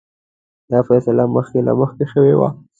دا فیصله مخکې له مخکې شوې وه.